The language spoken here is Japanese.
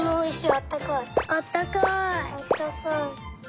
あったかい。